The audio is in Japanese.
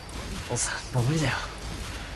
お父さん、もう無理だよ